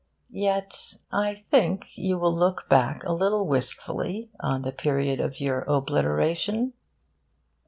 Yet I think you will look back a little wistfully on the period of your obliteration.